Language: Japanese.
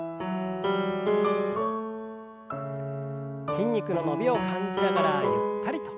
筋肉の伸びを感じながらゆったりと。